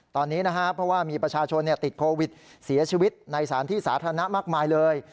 ตอนนี้นะครับเพราะว่ามีประชาชนติดโควิดเสียชีวิตในสารที่สาธารณะมากมายเลย